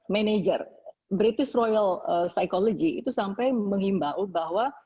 manajer british royal psychology itu sampai mengimbau bahwa